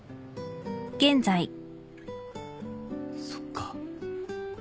そっか。